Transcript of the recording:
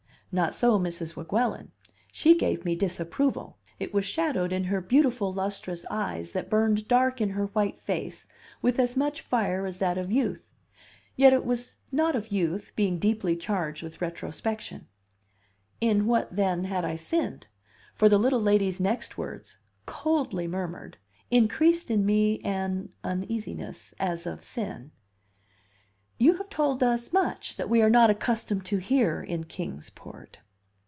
Not so Mrs. Weguelin; she gave me disapproval; it was shadowed in her beautiful, lustrous eyes that burned dark in her white face with as much fire as that of youth, yet it was not of youth, being deeply charged with retrospection. In what, then, had I sinned? For the little lady's next words, coldly murmured, increased in me an uneasiness, as of sin: "You have told us much that we are not accustomed to hear in Kings Port."